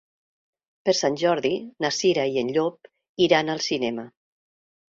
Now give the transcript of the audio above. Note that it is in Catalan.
Per Sant Jordi na Cira i en Llop iran al cinema.